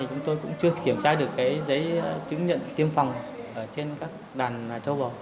chúng tôi cũng chưa kiểm tra được giấy chứng nhận tiêm phòng trên các đàn châu bò